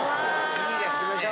・いいですね・